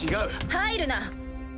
入るな！